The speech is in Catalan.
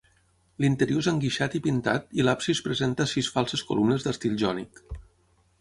L'interior és enguixat i pintat i l'absis presenta sis falses columnes d'estil jònic.